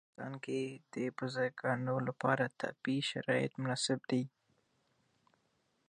په افغانستان کې د بزګانو لپاره طبیعي شرایط مناسب دي.